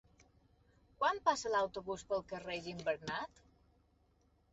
Quan passa l'autobús pel carrer Gimbernat?